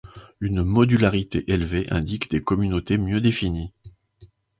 Une modularité élevée indique des communautés mieux définies.